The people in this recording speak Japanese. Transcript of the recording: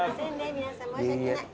皆さん申し訳ない。